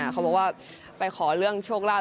เขาบอกว่าไปขอเรื่องโชคลาภ